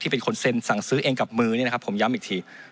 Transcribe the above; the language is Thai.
ที่เป็นคนเซ็นสั่งซื้อเองกับมือผมย้ำอีกที